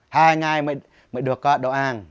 hai ngày mới được có đồ ăn